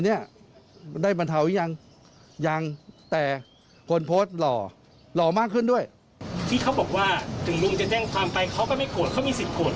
มันก็ไม่โกรธเขามีศิษย์โกรธเหรอไหม